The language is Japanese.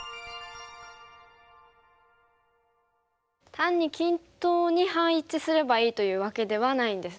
単に均等に配置すればいいというわけではないんですね。